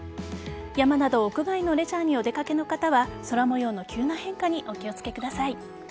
山など屋外のレジャーにお出掛けの方は空模様の急な変化にお気を付けください。